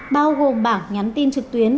bao gồm bảng nhắn tin trực tuyến